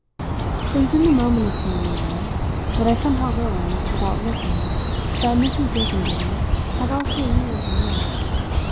X It was in the moment of turning away that I somehow learned, without looking, that Mrs. Brissenden had also immediately moved.